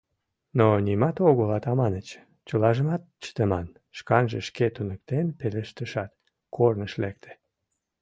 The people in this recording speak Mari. Но нимат огыл, Атаманыч, чылажымат чытыман», — шканже шке туныктен пелыштышат, корныш лекте.